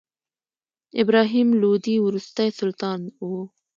ابراهیم لودي وروستی سلطان و.